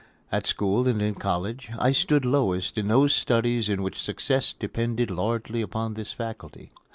At school and in college I stood lowest in those studies in which success depended largely upon this faculty.